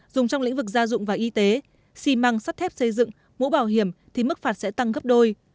dùng trong lĩnh vực gia dụng và y tế xi măng sắt thép xây dựng mũ bảo hiểm thì mức phạt sẽ tăng gấp đôi